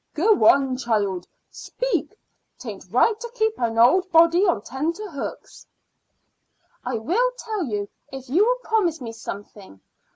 "Go on, child; speak. 'Tain't right to keep an old body on tenter hooks." "I will tell you if you will promise me something.